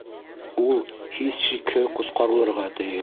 Ул һис шикһеҙ ҡотҡарылырға тейеш.